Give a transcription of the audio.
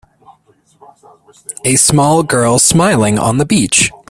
A small girl smiling on the beach